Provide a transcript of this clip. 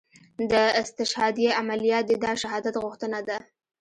دا استشهاديه عمليات دي دا شهادت غوښتنه ده.